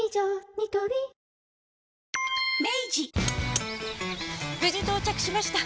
ニトリ無事到着しました！